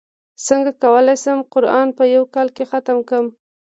څنګه کولی شم قران په یوه کال کې ختم کړم